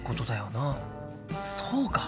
そうか！